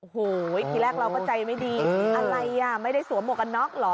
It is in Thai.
โหคือแรกเราก็ใจไม่ดีเอออะไรอ่ะไม่ได้สวมหมวกอะน็อกหรอ